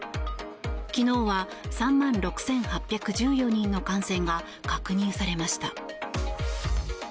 昨日は３万６８１４人の感染が確認されました。